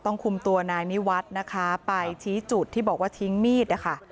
คุมตัวนายนิวัฒน์นะคะไปชี้จุดที่บอกว่าทิ้งมีดนะคะ